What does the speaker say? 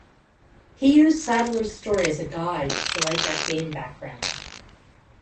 He used Sadler's story as a guide to write that game background.